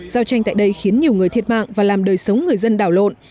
giao tranh tại đây khiến nhiều người thiệt mạng và làm đời sống người dân đảo lộn